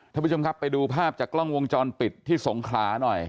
ท่านผู้ชมครับไปดูภาพจากกล้องวงจรปิดที่สงขลาหน่อย